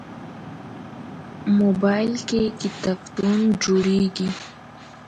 موبایل کې کتابتون جوړېږي.